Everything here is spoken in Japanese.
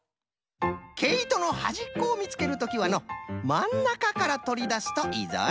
けいとのはじっこをみつけるときはのまんなかからとりだすといいぞい。